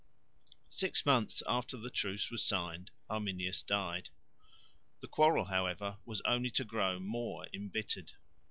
Six months after the truce was signed Arminius died. The quarrel, however, was only to grow more embittered.